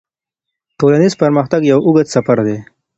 ټولنیز پرمختګ یو اوږد سفر دی.